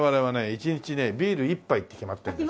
１日ねビール１杯って決まってるんです。